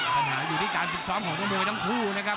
ปัญหาอยู่ที่การฝึกซ้อมของนักมวยทั้งคู่นะครับ